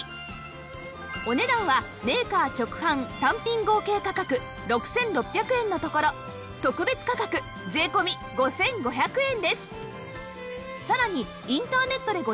お値段はメーカー直販単品合計価格６６００円のところ特別価格税込５５００円です